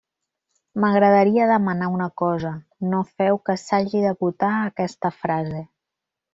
M'agradaria demanar una cosa: no feu que s'hagi de votar aquesta frase.